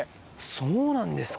そうなんですか。